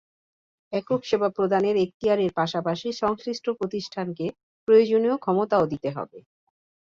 একক সেবা প্রদানের এখতিয়ারের পাশাপাশি সংশ্লিষ্ট প্রতিষ্ঠানকে প্রয়োজনীয় ক্ষমতাও দিতে হবে।